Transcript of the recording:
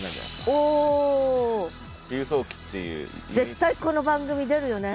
絶対この番組出るよね。